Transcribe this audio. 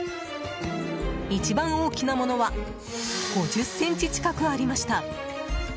一番大きなものは５０ｃｍ近くありました。